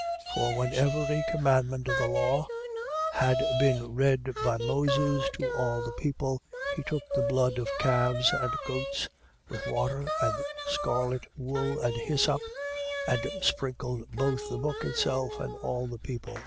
9:19. For when every commandment of the law had been read by Moses to all the people, he took the blood of calves and goats, with water, and scarlet wool and hyssop, and sprinkled both the book itself and all the people.